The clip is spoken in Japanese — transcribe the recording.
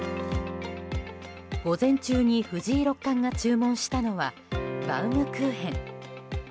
午前中に藤井六冠が注文したのはバウムクーヘン。